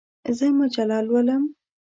زه مجله لولم.